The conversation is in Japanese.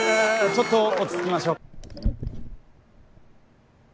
ちょっと落ち着きましょう。